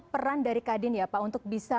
peran dari kadin ya pak untuk bisa